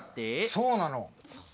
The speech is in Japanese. そうなの！